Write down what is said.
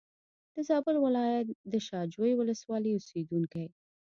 د زابل ولایت د شا جوی ولسوالۍ اوسېدونکی.